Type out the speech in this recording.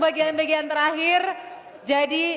bagian bagian terakhir jadi